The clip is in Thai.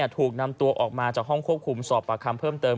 ถูกนำตัวออกมาจากห้องควบคุมสอบปากคำเพิ่มเติม